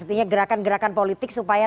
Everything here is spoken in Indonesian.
artinya gerakan gerakan politik supaya